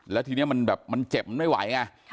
แล้วทีนี้มันแบบมันเจ็บมันไม่ไหวไง